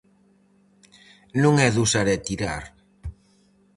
Non é de usar e tirar.